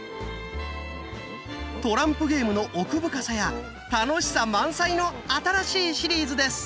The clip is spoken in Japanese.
トランプゲームの奥深さや楽しさ満載の新しいシリーズです！